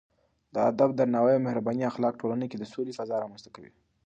د ادب، درناوي او مهربانۍ اخلاق ټولنه کې د سولې فضا رامنځته کوي.